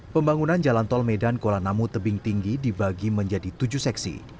pembangunan jalan tol medan kuala namu tebing tinggi dibagi menjadi tujuh seksi